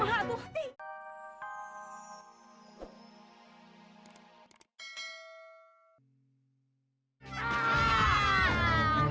aduh dia kemahak tuh